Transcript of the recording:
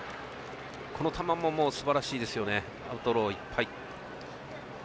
この球もすばらしいですねアウトローいっぱい。